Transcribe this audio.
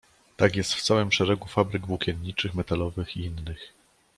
"Tak jest w całym szeregu fabryk włókienniczych, metalowych i innych."